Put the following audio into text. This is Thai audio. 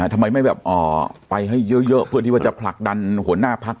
ทำไมไม่แบบไปให้เยอะเพื่อที่ว่าจะผลักดันหัวหน้าพัก